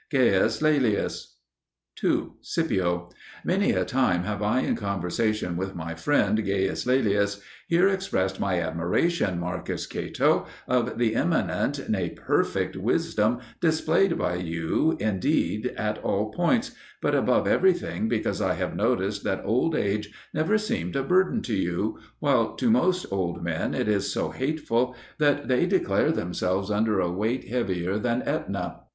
Gaius Laelius. 2. Scipio. Many a time have I in conversation with my friend Gaius Laelius here expressed my admiration, Marcus Cato, of the eminent, nay perfect, wisdom displayed by you indeed at all points, but above everything because I have noticed that old age never seemed a burden to you, while to most old men it is so hateful that they declare themselves under a weight heavier than Aetna.